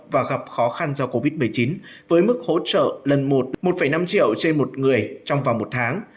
và gặp khó khăn do covid một mươi chín với mức hỗ trợ lần một một năm triệu trên một người trong vòng một tháng